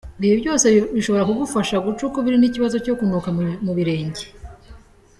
Ibi byose bishobora kugufasha guca ukubiri n’ikibazo cyo kunuka mu birenge.